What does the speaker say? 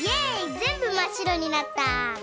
ぜんぶまっしろになった！